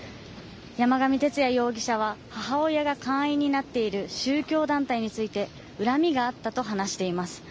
山上徹也容疑者は、母親が会員になっている宗教団体について恨みがあったと話しています。